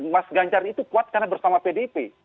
mas ganjar itu kuat karena bersama pdip